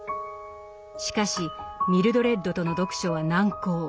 しかしミルドレッドとの読書は難航。